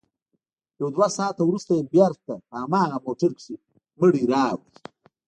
يو دوه ساعته وروسته يې بېرته په هماغه موټر کښې مړى راوړ.